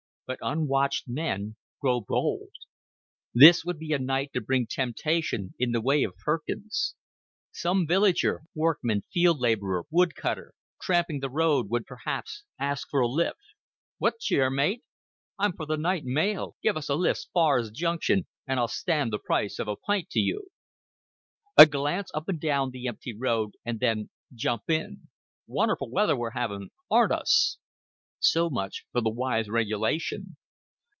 But unwatched men grow bold. This would be a night to bring temptation in the way of Perkins. Some villager workman, field laborer, wood cutter tramping the road would perhaps ask for a lift. "What cheer, mate! I'm for the night mail. Give us a lift's far as junction, and I'll stan' the price of a pint to you." A glance up and down the empty road and then "Jump in. Wunnerful weather we're having, aren't us?" So much for the wise regulation!